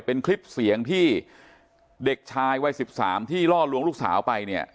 เป็นคลิปเสียงที่เด็กชายวัย๑๓ที่ล่อลวงลูกสาวไปเนี่ย